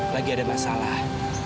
lagi ada masalah